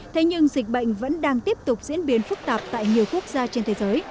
thế nhưng dịch bệnh vẫn đang tiếp tục diễn biến phức tạp tại nhiều quốc gia trên thế giới